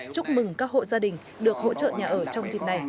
chúc mừng các hộ gia đình được hỗ trợ nhà ở trong dịp này